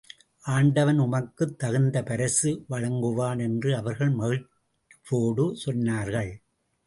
ஆண்டவன் உமக்குத் தகுந்த பரிசு வழங்குவான் என்று அவர்கள் மகிழ்வோடு சொன்னார்கள்.